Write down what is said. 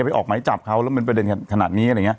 ไปออกหมายจับเขาแล้วเป็นประเด็นขนาดนี้